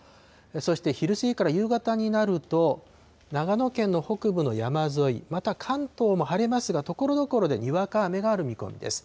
そして昼過ぎから夕方になると、長野県の北部の山沿い、また関東も晴れますが、ところどころでにわか雨がある見込みです。